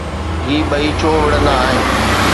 هي ٻئي ڇو وڙهندا آهن؟